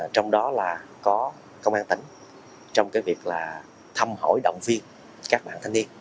trong đó là có công an tỉnh trong việc là thăm hỏi động viên các bạn thanh niên